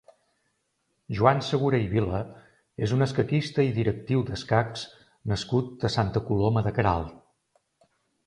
Joan Segura i Vila és un escaquista i directiu d'escacs nascut a Santa Coloma de Queralt.